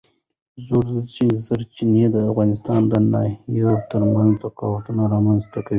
ژورې سرچینې د افغانستان د ناحیو ترمنځ تفاوتونه رامنځ ته کوي.